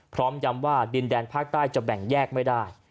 พร้อมย้ำว่าดินแดนภาคใต้จะแบ่งแยกไม่ได้